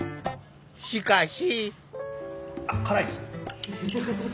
しかし。